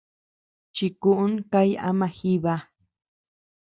Chikuʼún kay ama jiba.